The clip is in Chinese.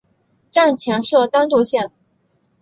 站前设单渡线。